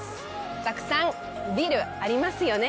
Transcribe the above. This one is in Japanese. たくさんビル、ありますよね？